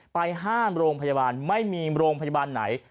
ไปห้ามโรงพยาบาลไม่มีโรงพยาบาลไหน